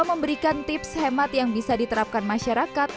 memberikan tips hemat yang bisa diterapkan masyarakat